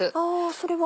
それは？